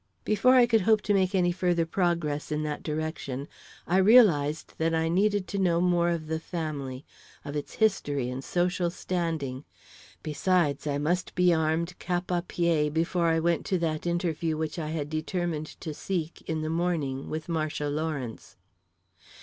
Before I could hope to make any further progress in that direction, I realised that I needed to know more of the family of its history and social standing. Besides, I must be armed cap à pie before I went to that interview which I had determined to seek, in the morning, with Marcia Lawrence.